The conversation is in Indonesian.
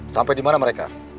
sampai dimana mereka